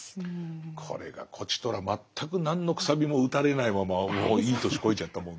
これがこちとら全く何の楔も打たれないままいい年こいちゃったもんで。